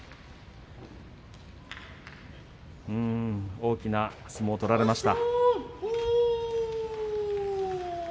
大きな相撲を取られました。